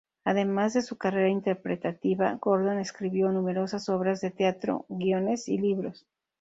Además de su carrera interpretativa, Gordon escribió numerosas obras de teatro, guiones y libros.